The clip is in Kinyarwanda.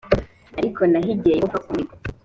ariko nahigiye yehova umuhigo